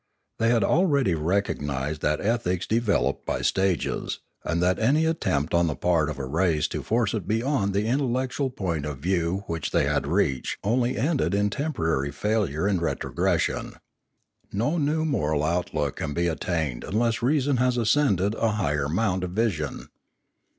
They had already recognised that ethics de veloped by stages, and that any attempt on the part of a race to force it beyond the intellectual point of view which they had reached only ended in temporary fail ure and retrogression. No new moral outlook can be attained unless reason has ascended a higher mouut of vision.